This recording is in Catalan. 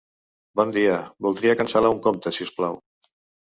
Bon dia, voldria cancel·lar un compte si us plau.